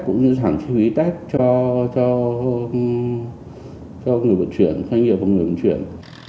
cũng như giảm chi phí test cho cho cho người vận chuyển doanh nghiệp của người vận chuyển